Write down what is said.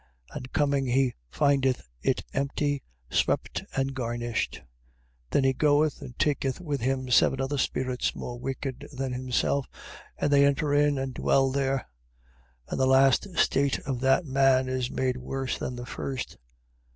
And coming he findeth it empty, swept, and garnished. 12:45. Then he goeth, and taketh with him seven other spirits more wicked than himself, and they enter in and dwell there: and the last state of that man is made worse than the first.